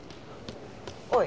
おい。